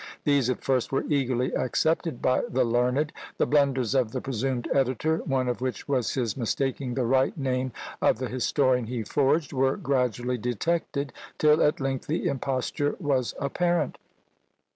These at first were eagerly accepted by the learned; the blunders of the presumed editor, one of which was his mistaking the right name of the historian he forged, were gradually detected, till at length the imposture was apparent!